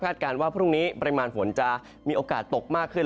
การว่าพรุ่งนี้ปริมาณฝนจะมีโอกาสตกมากขึ้น